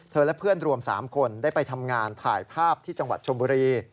และเพื่อนรวม๓คนได้ไปทำงานถ่ายภาพที่จังหวัดชมบุรี